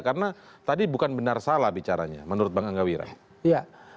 karena tadi bukan benar salah bicaranya menurut bang anggawi raya